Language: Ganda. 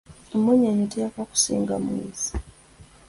Emmunyeenye teyaka kusinga mwezi.